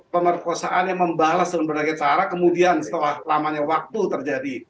pemerkosaan yang membalas dengan berbagai cara kemudian setelah lamanya waktu terjadi